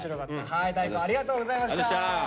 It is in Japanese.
はい大光ありがとうございました。